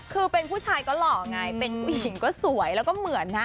คือเป็นผู้ชายก็หล่อไงเป็นผู้หญิงก็สวยแล้วก็เหมือนนะ